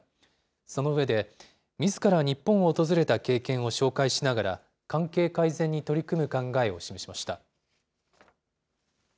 その上で、みずから日本を訪れた経験を紹介しながら、関係改善に取り組む考えを示しました。